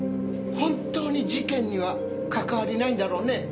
本当に事件には関わりないんだろうね？